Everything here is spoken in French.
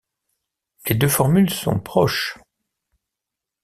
Les deux formules sont proches.